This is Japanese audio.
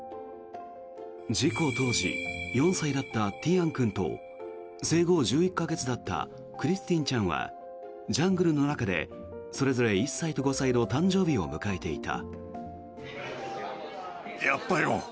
事故当時４歳だったティエン君と生後１１か月だったクリスティンちゃんはジャングルの中でそれぞれ１歳と５歳の誕生日を迎えていた。